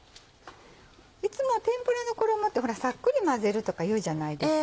いつも天ぷらの衣ってサックリ混ぜるとかいうじゃないですか。